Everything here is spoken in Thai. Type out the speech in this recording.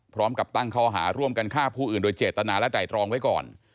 พร้อมกับตั้งข้อหาร่วมกันฆ่าผู้อื่นโดยเจตนาและไตรรองไว้ก่อน